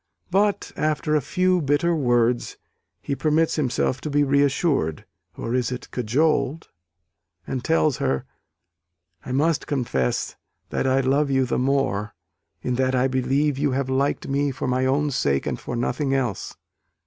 But after a few bitter words, he permits himself to be reassured or is it cajoled? and tells her, "I must confess that I love you the more, in that I believe you have liked me for my own sake and for nothing else."